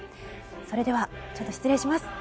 それでは、失礼します。